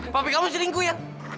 papi kamu selingkuh ya